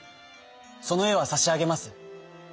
そのえはさしあげます。